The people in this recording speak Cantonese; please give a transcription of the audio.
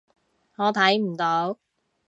我睇唔到